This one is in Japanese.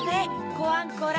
コアンコラ！